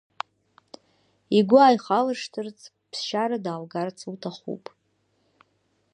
Игәы ааихалыршҭырц, ԥсшьара даалгарц лҭахуп.